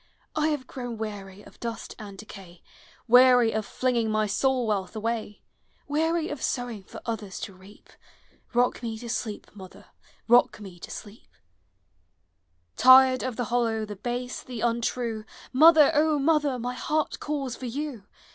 I have grown weary of dust and decay,— Weary of Hinging my soul wealth away; Digitized by Google THE HOME Weary of sowing for others to reap;— Kock me to sleep, mother, rock me to sleep! Tired of the hollow, the base, the untrue, Mother, O mother, my heart calls for you!